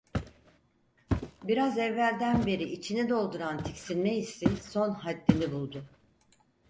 Biraz evvelden beri içini dolduran tiksinme hissi son haddini buldu.